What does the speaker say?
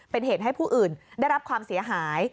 เป็นเหตุให้ผู้อื่นได้รับความเสียหาย